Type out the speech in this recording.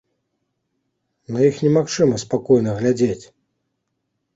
На іх немагчыма спакойна глядзець!